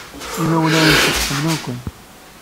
Imawlan-nsent ḥemmlen-ken.